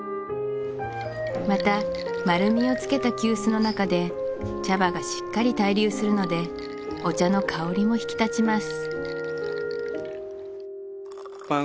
また丸みをつけた急須の中で茶葉がしっかり滞留するのでお茶の香りも引き立ちます